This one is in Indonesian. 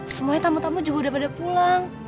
semuanya tamu tamu juga udah pada pulang